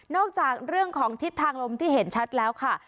จากเรื่องของทิศทางลมที่เห็นชัดแล้วค่ะ